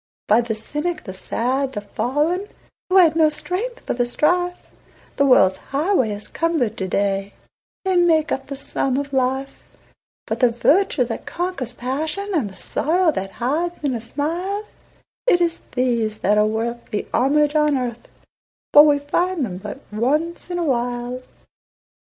By the cynic, the sad, the fallen, Who had no strength for the strife, The world's highway is cumbered to day They make up the sum of life; But the virtue that conquers passion, And the sorrow that hides in a smile It is these that are worth the homage on earth, For we find them but once in a while.